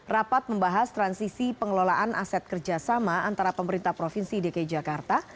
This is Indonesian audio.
rapat membahas transisi pengelolaan aset kerjasama antara pemerintah provinsi dki jakarta